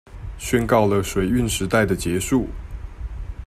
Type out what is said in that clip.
宣告了水運時代的結束